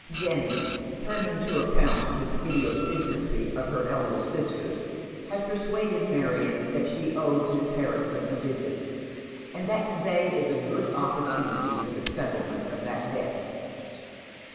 Jenny, turning to account this idiosyncrasy of her elder sister's, has persuaded Marion that she owes Miss Harrison a visit, and that to day is a good opportunity for the settlement of that debt.